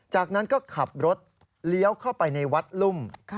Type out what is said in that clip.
จากนั้นก็ขับรถเลี้ยวเข้าไปในวัดลุ่ม